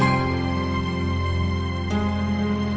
ya udah aku mau pulang